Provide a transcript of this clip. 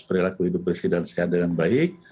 perilaku hidup bersih dan sehat dengan baik